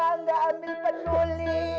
mak gak ambil peduli